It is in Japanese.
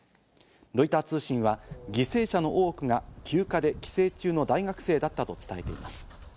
ロイター通信は、犠牲者の多くが休暇と帰省中の大学生だったと伝えています。